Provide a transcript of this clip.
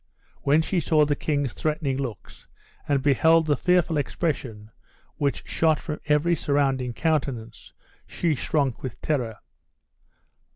When she saw the king's threatening looks, and beheld the fearful expression which shot from every surrounding countenance, she shrunk with terror.